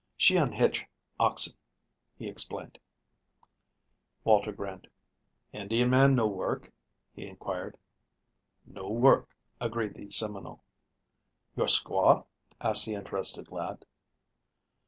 "She unhitch oxen," he explained. Walter grinned. "Indian man no work?" he inquired. "No work," agreed the Seminole. "Your squaw?" asked the interested lad.